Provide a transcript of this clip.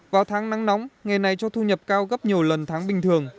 vào tháng nắng nóng nghề này cho thu nhập cao gấp nhiều lần tháng bình thường